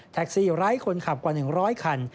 แท็กซี่ร้ายคนขับกว่า๑๐๐คัน